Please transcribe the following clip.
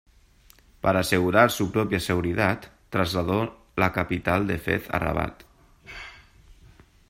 Para asegurar su propia seguridad, trasladó la capital de Fez a Rabat.